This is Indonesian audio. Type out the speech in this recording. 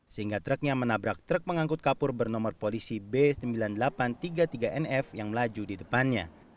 sehingga truknya menabrak truk mengangkut kapur bernomor polisi b sembilan ribu delapan ratus tiga puluh tiga nf yang melaju di depannya